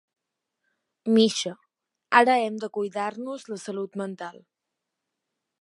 Misha: “Ara hem de cuidar-nos la salut mental”